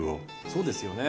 そうですよね。